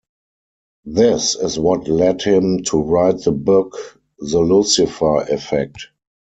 This is what led him to write the book "The Lucifer Effect".